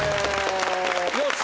よし！